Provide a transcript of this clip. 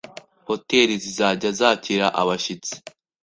Hoteli zizajya zakira abashyitsi,